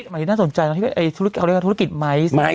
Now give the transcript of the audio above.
มีธุรกิจอาหารที่น่าสนใจนะที่เรียกว่าธุรกิจไมซ์